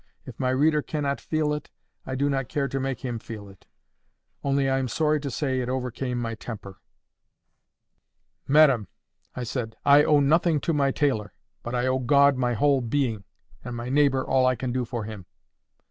If my reader cannot feel it, I do not care to make him feel it. Only I am sorry to say it overcame my temper. "Madam," I said, "I owe nothing to my tailor. But I owe God my whole being, and my neighbour all I can do for him.